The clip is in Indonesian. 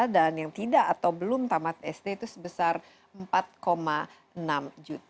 dan yang tidak atau belum tamat sd itu sebesar empat enam juta